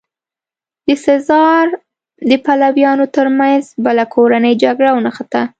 د سزار د پلویانو ترمنځ بله کورنۍ جګړه ونښته.